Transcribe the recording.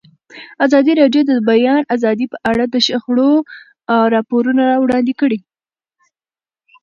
ازادي راډیو د د بیان آزادي په اړه د شخړو راپورونه وړاندې کړي.